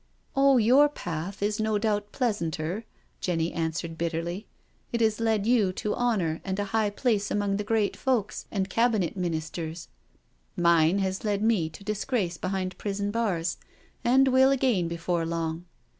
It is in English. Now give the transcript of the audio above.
" Oh, your path is no doubt pleasanter/' Jenny answered bitterly. It has led you to honour and a high place among the great folks and Cabinet Min isters—mine has led me to disgrace behind prison bars, and will again before long.